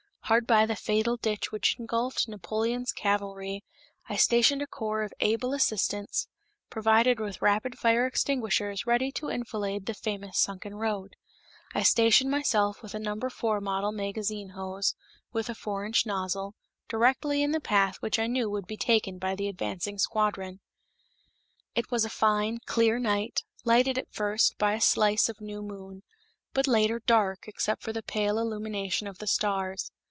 Hard by the fatal ditch which engulfed Napoleon's cavalry I stationed a corps of able assistants provided with rapid fire extinguishers ready to enfilade the famous sunken road. I stationed myself with a No. 4 model magazine hose, with a four inch nozzle, directly in the path which I knew would be taken by the advancing squadron. It was a fine, clear night, lighted, at first, by a slice of new moon; but later, dark, except for the pale illumination of the stars.